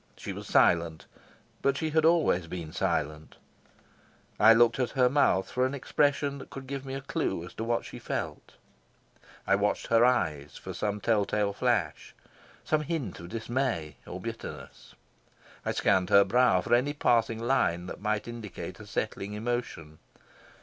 She was silent, but she had always been silent. I looked at her mouth for an expression that could give me a clue to what she felt; I watched her eyes for some tell tale flash, some hint of dismay or bitterness; I scanned her brow for any passing line that might indicate a settling emotion.